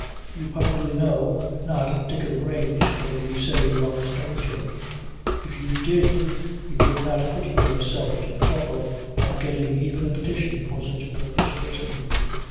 You probably know not Dick o' the Grange, for you say you are a stranger if you did, you would not put yourself to the trouble of getting even a petition for such a purpose written."